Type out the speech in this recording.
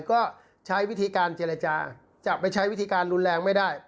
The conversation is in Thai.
ก็ใช้วิธีการเจรจาจะไปใช้วิธีการรุนแรงไม่ได้